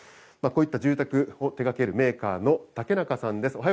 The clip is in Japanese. こういった住宅を手がけるメーカーの竹中さんです。